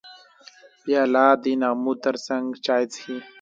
پیاله د نغمو ترڅنګ چای څښي.